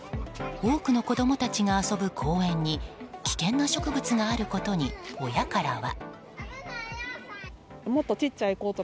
多くの子供たちが遊ぶ公園に危険な植物があることに親からは。